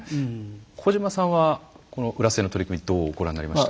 小島さんはこの浦添の取り組みどうご覧になりました？